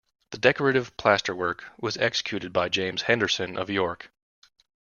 The decorative plasterwork was executed by James Henderson of York.